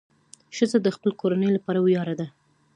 ښځه د خپل کورنۍ لپاره ویاړ ده.